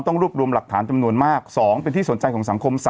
รวบรวมหลักฐานจำนวนมาก๒เป็นที่สนใจของสังคม๓